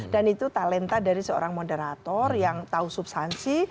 dan itu talenta dari seorang moderator yang tahu substansi